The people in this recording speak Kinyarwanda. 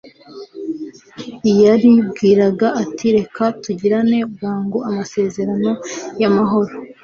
yaribwiraga ati reka tugirane bwangu amasezerano y'amahoro